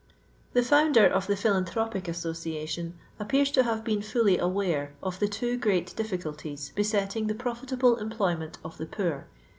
The fonder of the Philanthropic Association appears to have been fully aware of the two great dtflkaltiaa besetting the profitable employment of the poor, viz.